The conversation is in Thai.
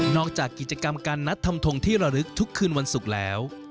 จากกิจกรรมการนัดทำทงที่ระลึกทุกคืนวันศุกร์แล้ว